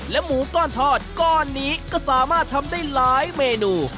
หมูก้อนทอดก้อนนี้ก็สามารถทำได้หลายเมนู